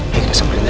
ya kita sembarin aja